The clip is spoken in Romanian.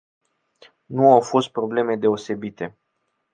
Nu au fost probleme deosebite.